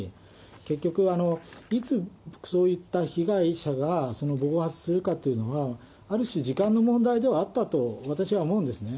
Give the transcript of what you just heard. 結局、いつ、そういった被害者が暴発するかっていうのは、ある種、時間の問題ではあったと私は思うんですね。